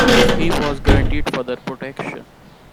He was guaranteed further protection.